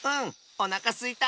おなかすいた。